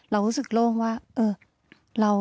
เรารู้สึกโล่งว่าเออ